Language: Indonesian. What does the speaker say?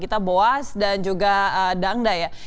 ada boaz dan juga dangda